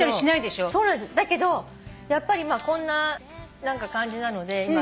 だけどやっぱりこんな感じなので今。